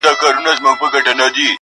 د سوځېدلو قلاګانو او ښارونو کوي؛